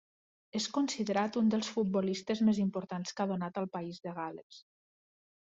És considerat un dels futbolistes més importants que ha donat el País de Gal·les.